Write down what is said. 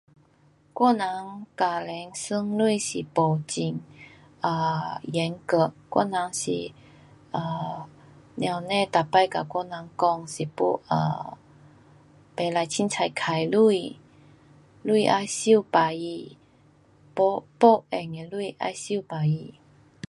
我人家庭算钱是不严格。um 母亲每次跟我人讲不可随便花钱。钱要收起来。没，没用的钱要收起来。